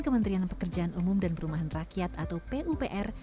kementerian pekerjaan umum dan perumahan rakyat atau pupr